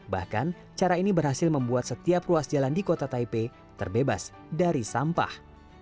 bahkan cara ini berhasil membuat setiap ruas jalan di kota taipei terbebas dari sampah